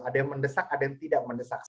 ada yang mendesak ada yang tidak mendesak